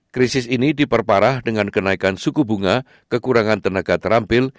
krisis ini diperparah dengan kenaikan suku bunga kekurangan tenaga terampil